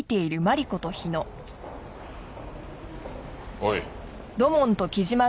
おい。